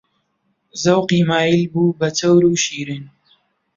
زەوقی مایل بوو بە چەور و شیرین